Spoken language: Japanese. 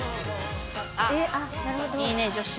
いいね女子。